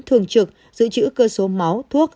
thường trực giữ chữ cơ số máu thuốc